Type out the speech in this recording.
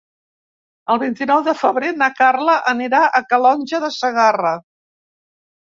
El vint-i-nou de febrer na Carla anirà a Calonge de Segarra.